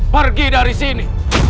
pergi dari sini